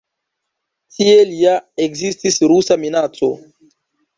Tiel ja ekzistis rusa minaco.